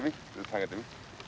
下げてみ。